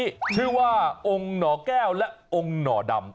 เขียนต้นนี้ชื่อว่าองค์หน่อแก้วและองค์หน่อดำ